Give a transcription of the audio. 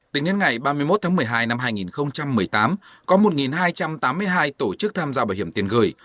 tính đến ngày ba mươi một tháng một mươi hai năm hai nghìn một mươi tám có một hai trăm tám mươi hai tổ chức tham gia bảo hiểm tiền gửi